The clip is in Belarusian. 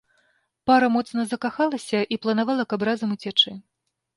Пара моцна закахалася і планавала, каб разам уцячы.